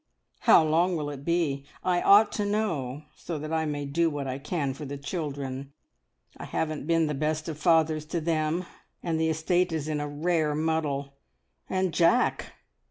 "How long will it be? I ought to know, so that I may do what I can for the children. I haven't been the best of fathers to them, and the estate is in a rare muddle. And Jack!